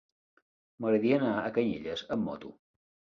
M'agradaria anar a Canyelles amb moto.